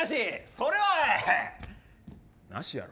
それはねなしやろ。